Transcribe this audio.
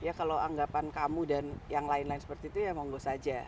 ya kalau anggapan kamu dan yang lain lain seperti itu ya monggo saja